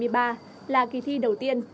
vì vậy cách ra đề đã có những điều chỉnh